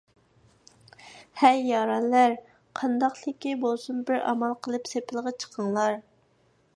ھەي يارەنلەر! قانداقلىكى بولسۇن بىر ئامال قىلىپ سېپىلغا چىقىڭلار.